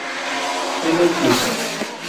N. Club.